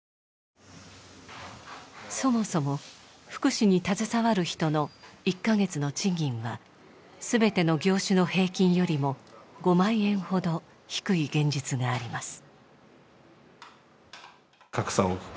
そもそも福祉に携わる人の１カ月の賃金は全ての業種の平均よりも５万円ほど低い現実があります。